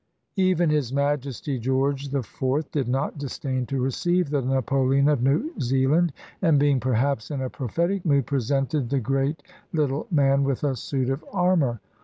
Even His Majesty, George IV, did not disdain to receive the "Napoleon of New Zealand," and being, perhaps, in a prophetic mood, presented the great little man with a suit of armor.